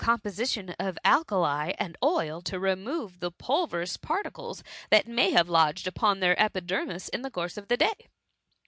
position of alkali and oil to remove the puU verous particles that may have lodged upon their epidermis in the course of the day.